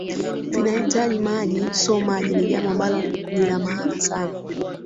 zinahitaji maji so maji ni jambo ambalo ni la maana sana